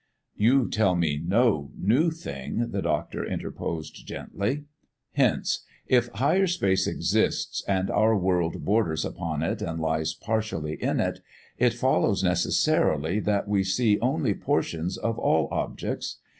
"You tell me no new thing," the doctor interposed gently. "Hence, if Higher Space exists and our world borders upon it and lies partially in it, it follows necessarily that we see only portions of all objects.